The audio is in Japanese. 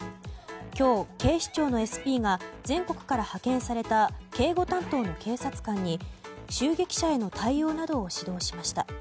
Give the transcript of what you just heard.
今日、警視庁のＳＰが全国から派遣された警護担当の警察官に襲撃者への対応などを指導しました。